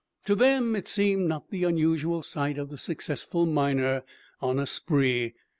To them it seemed the not unusual sight of the successful miner "on a spree."